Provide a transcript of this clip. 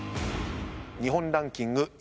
日本ランキング